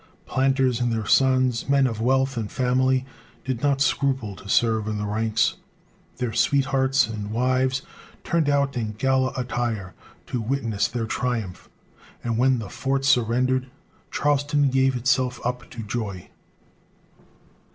Planters and their sons, men of wealth and family, did not scruple to serve in the ranks. Their sweethearts and wives turned out in gala attire to witness their triumph, and when the fort surrendered, Charleston gave itself up to joy.